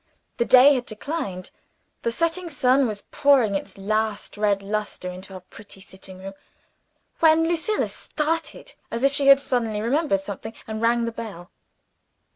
The day had declined; the setting sun was pouring its last red luster into our pretty sitting room when Lucilla started as if she had suddenly remembered something, and rang the bell.